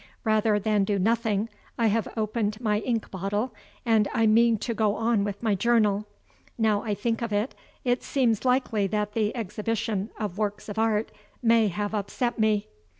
Rather than do nothing, I have opened my ink bottle, and I mean to go on with my journal. Now I think of it, it seems likely that the exhibition of works of art may have upset me.